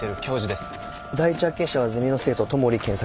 第一発見者はゼミの生徒戸守研策。